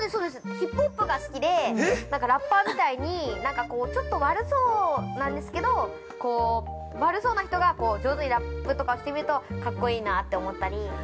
ヒップホップが好きでなんかラッパー自体になんかこうちょっと悪そうなんですけど悪そうな人が上手にラップとかをしていると格好いいなって思ったり。